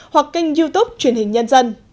hoặc kênh youtube truyền hình nhân dân